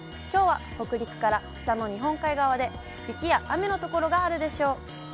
きょうは北陸から北の日本海側で、雪や雨の所があるでしょう。